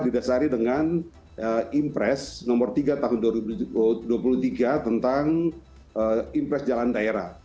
didasari dengan impres nomor tiga tahun dua ribu dua puluh tiga tentang impres jalan daerah